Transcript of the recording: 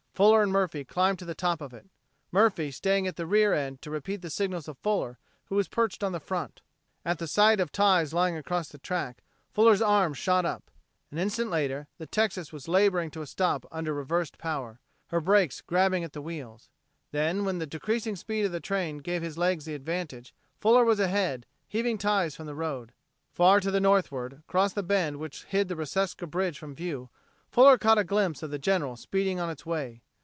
Fuller and Murphy climbed to the top of it; Murphy, staying at the rear end to repeat the signals of Fuller, who was perched on the front. At the sight of ties lying across the track, Fuller's arms shot up. An instant later, the Texas was laboring to a stop under reversed power, her brakes grabbing at the wheels. Then, when the decreasing speed of the train gave his legs the advantage, Fuller was ahead, heaving ties from the road. Far to the northward, across the bend which hid the Reseca bridge from view, Fuller caught a glimpse of the General speeding on its way.